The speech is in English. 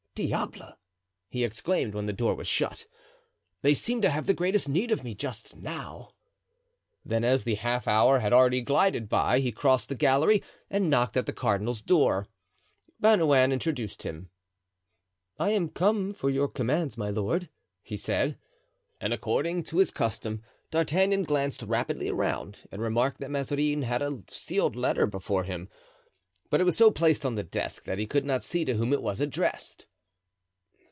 "Diable!" he exclaimed when the door was shut, "they seem to have the greatest need of me just now." Then, as the half hour had already glided by, he crossed the gallery and knocked at the cardinal's door. Bernouin introduced him. "I come for your commands, my lord," he said. And according to his custom D'Artagnan glanced rapidly around and remarked that Mazarin had a sealed letter before him. But it was so placed on the desk that he could not see to whom it was addressed.